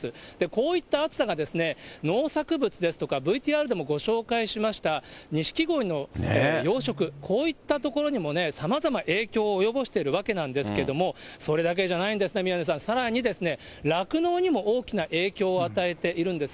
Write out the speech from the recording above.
こういった暑さが農作物ですとか、ＶＴＲでもご紹介しました、ニシキゴイの養殖、こういった所にもね、さまざま影響を及ぼしてるわけなんですけれども、それだけじゃないんですね、宮根さん、さらにですね、酪農にも大きな影響を与えているんです。